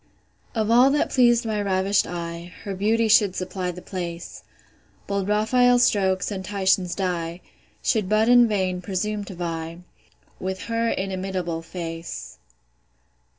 Of all that pleas'd my ravish'd eye, Her beauty should supply the place; Bold Raphael's strokes, and Titian's dye, Should but in vain presume to vie With her inimitable face.